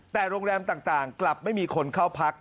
แต่โรงแรมต่างกลับไม่มีคนเข้าพัก